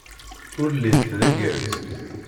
Ur llint d aggaz.